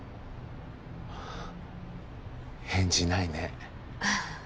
返事ないね